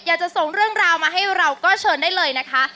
อยากจะส่งเรื่องราวมาให้เราก็เชิญได้เลยนะคะ